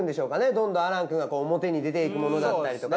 どんどん亜嵐くんが表に出ていくものだったりとか。